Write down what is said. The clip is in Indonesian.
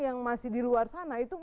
yang masih di luar sana itu